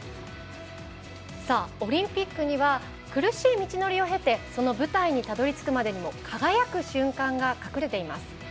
オリンピックには苦しい道のりを経てその舞台に、たどり着くまでにも輝く瞬間が隠れています。